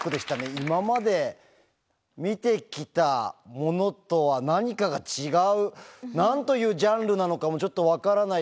今まで見てきたものとは、何かが違う、なんというジャンルなのかもちょっと分からない。